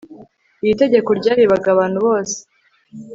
iri tegeko ryarebaga abantu bose